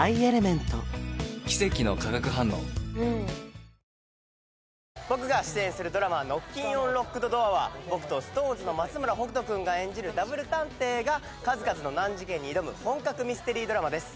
お試し容量も僕が出演するドラマ『ノッキンオン・ロックドドア』は僕とＳｉｘＴＯＮＥＳの松村北斗くんが演じるタブル探偵が数々の難事件に挑む本格ミステリードラマです。